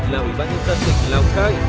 là ubnd tỉnh lào cai